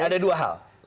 ada dua hal